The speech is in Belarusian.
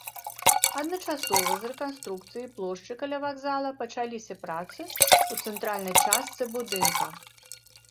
Адначасова з рэканструкцыяй плошчы каля вакзала пачаліся працы ў цэнтральнай частцы будынка.